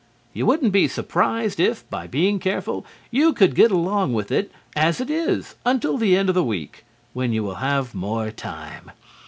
You wouldn't be surprised if, by being careful, you could get along with it as it is until the end of the week when you will have more time.